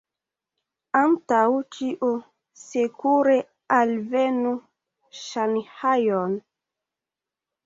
Antaŭ ĉio, sekure alvenu Ŝanhajon.